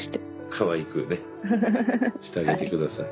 かわいくねしてあげて下さい。